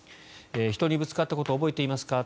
人にぶつかったことを覚えていますか？